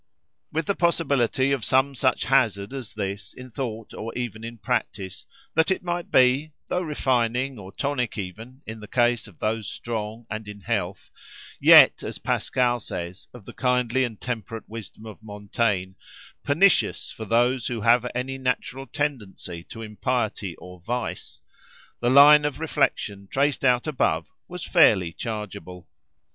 With the possibility of some such hazard as this, in thought or even in practice—that it might be, though refining, or tonic even, in the case of those strong and in health, yet, as Pascal says of the kindly and temperate wisdom of Montaigne, "pernicious for those who have any natural tendency to impiety or vice," the line of reflection traced out above, was fairly chargeable.